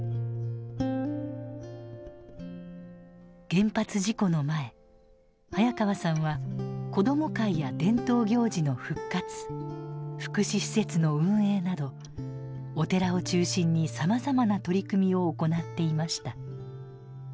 原発事故の前早川さんは子ども会や伝統行事の復活福祉施設の運営などお寺を中心にさまざまな取り組みを行っていました。